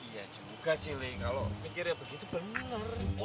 iya juga sih lih kalau pikirnya begitu bener